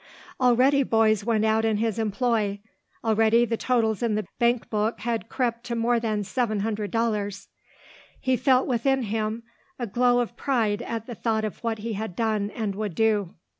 Already boys went out in his employ, already the totals in the bank book had crept to more than seven hundred dollars. He felt within him a glow of pride at the thought of what he had done and would do.